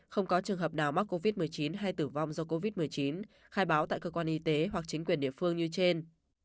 không có trường hợp nào mắc covid một mươi chín hay tử vong do covid một mươi chín khai báo tại cơ quan y tế hoặc chính quyền địa phương như trên